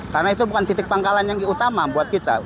karena itu bukan titik pangkalan yang utama buat kita